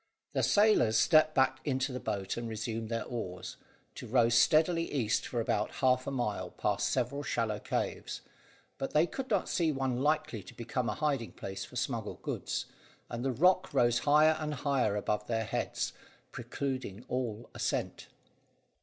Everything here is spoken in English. The sailors stepped back into the boat and resumed their oars, to row steadily east for about half a mile, past several shallow caves, but they could not see one likely to become a hiding place for smuggled goods, and the rock rose higher and higher above their heads, precluding all ascent.